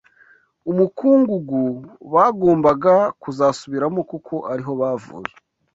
umukungugu bagombaga kuzasubiramo kuko ari ho bavuye